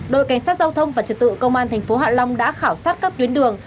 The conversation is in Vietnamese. đội cảnh sát giao thông và trật tự công an tp hạ long đã khảo sát các tuyến đường